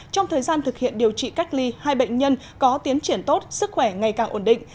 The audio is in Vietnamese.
trong thời gian thực hiện điều trị cách ly hai bệnh nhân có tiến triển tốt sức khỏe ngày càng ổn định